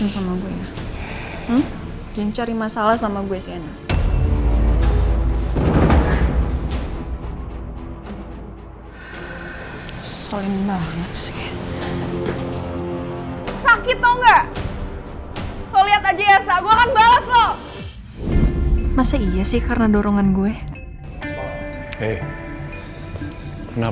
saya cari sianah dulu ya